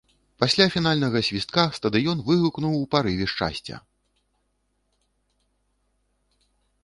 Пасля фінальнага свістка стадыён выгукнуў ў парыве шчасця.